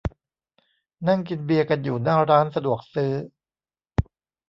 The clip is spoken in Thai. นั่งกินเบียร์กันอยู่หน้าร้านสะดวกซื้อ